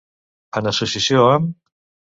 En associació amb.